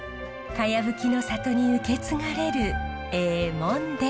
かやぶきの里に受け継がれるえぇモンです。